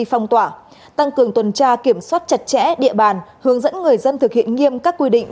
phong tỏa tăng cường tuần tra kiểm soát chặt chẽ địa bàn hướng dẫn người dân thực hiện nghiêm các quy định